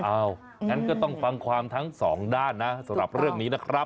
งั้นก็ต้องฟังความทั้งสองด้านนะสำหรับเรื่องนี้นะครับ